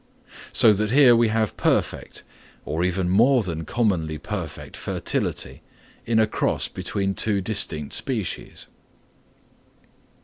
So that here we have perfect, or even more than commonly perfect fertility, in a first cross between two distinct species.